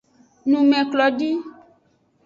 Numeklodi.